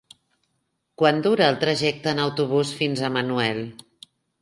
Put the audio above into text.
Quant dura el trajecte en autobús fins a Manuel?